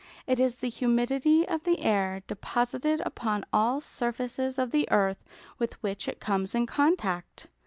It is the humidity of the air deposited upon all surfaces of the earth with which it comes in contact.